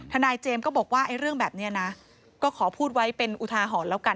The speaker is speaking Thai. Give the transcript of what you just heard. ทนายเจมส์ก็บอกว่าเรื่องแบบนี้นะก็ขอพูดไว้เป็นอุทาหรณ์แล้วกัน